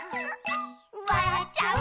「わらっちゃう」